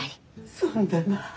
そうだな。